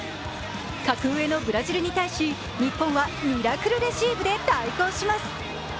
格上のブラジルに対し、日本はミラクルレシーブで対抗します。